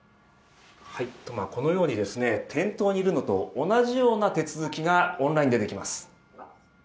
このように店頭にいるのと同じような手続きがオンラインでできます。